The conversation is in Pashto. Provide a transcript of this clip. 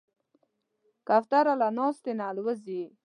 کوتره له ناستې نه الوزي.